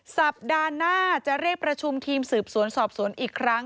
สัปดาห์หน้าจะเรียกประชุมทีมสืบสวนสอบสวนอีกครั้ง